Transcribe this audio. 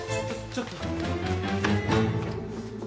ちょっと。